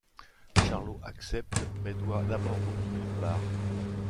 Charlot accepte, mais doit d'abord retourner au bar.